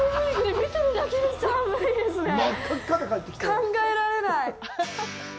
考えられない。